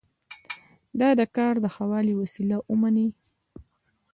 دا د کار د ښه والي وسیله ومني.